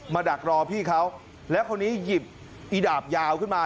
ดักรอพี่เขาแล้วคนนี้หยิบอีดาบยาวขึ้นมา